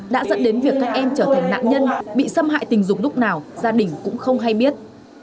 đã dẫn đến việc các em trở thành nạn nhân bị xâm hại tình dục lúc nào gia đình cũng không hay biết